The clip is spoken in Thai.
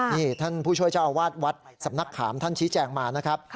นี่ท่านผู้ช่วยเจ้าอาวาสวัดสำนักขามท่านชี้แจงมานะครับ